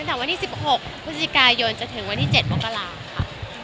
ตั้งแต่วันที่๑๖พฤศจิกายนจนถึงวันที่๗มกราค่ะ